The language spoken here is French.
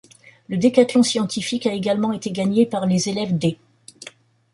Le décathlon scientifique a également été gagné par les élèves d'.